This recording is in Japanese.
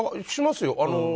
しますよ。